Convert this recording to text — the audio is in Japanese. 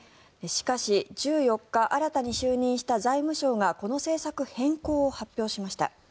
しかし、１４日新たに就任した財務相がこの政策変更を発表しました。